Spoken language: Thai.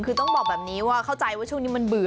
คือต้องบอกแบบนี้ว่าเข้าใจว่าช่วงนี้มันเบื่อ